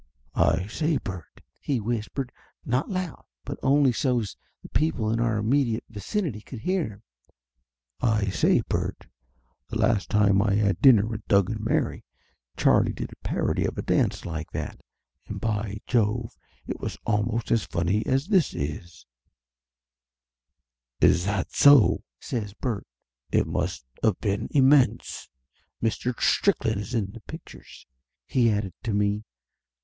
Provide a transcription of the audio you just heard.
"I say. Bert !" he whispered, not loud, but only so's Laughter Limited 21 the people in our immediate vicinity could hear him "I say, Bert, the last time I had dinner with Doug and Mary, Charlie did a parody of a dance like that, and by Jove, it was almost as funny as this is !" "Is that so?" says Bert. "It must of been immense ! Mr. Strickland is in the pictures," he added to me.